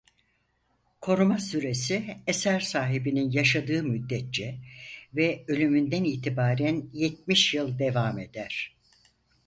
Koruma süresi eser sahibinin yaşadığı müddetçe ve ölümünden itibaren yetmiş yıl devam eder.